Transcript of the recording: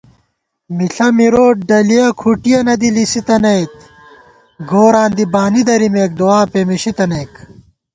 مِݪہ مِروت ڈلِیَہ کھُٹِیَنہ دی لِسِتَنَئیک * گوراں دی بانی درِمېک دُعاپېمېشی تنَئیک